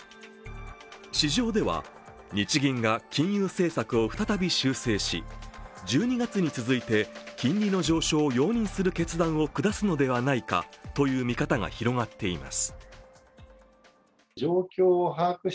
市場では日銀が金融政策を再び修正し、１２月に続いて金利の上昇を容認する決断を下すのではないかという見方が広がっています。